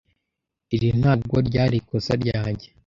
Iri ntabwo ryari ikosa ryanjye.